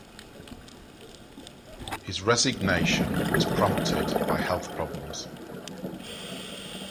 His resignation was prompted by health problems.